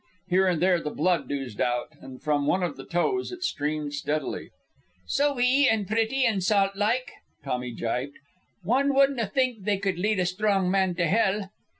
Here and there the blood oozed out, and from one of the toes it streamed steadily. "So wee, and pretty, and salt like," Tommy gibed. "One wouldna think they could lead a strong man to hell."